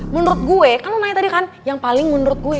menurut gue kan namanya tadi kan yang paling menurut gue